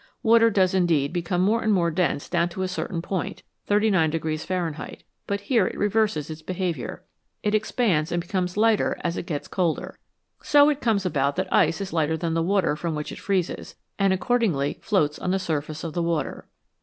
Water does indeed become more and more dense down to a certain point, 39 Fahrenheit, but here it reverses its behaviour ; it expands and becomes lighter as it gets colder. So it comes about that ice is lighter than the water from which it freezes, and accordingly floats on the surface of the water.